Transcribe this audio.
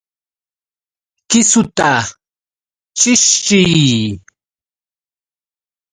¡Kisuta chishchiy!